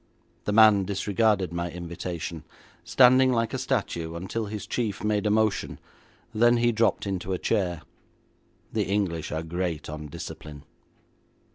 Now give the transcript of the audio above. The man disregarded my invitation, standing like a statue until his chief made a motion; then he dropped into a chair. The English are great on discipline.